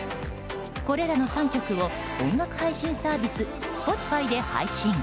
これらの３曲を音楽配信サービスＳｐｏｔｉｆｙで配信。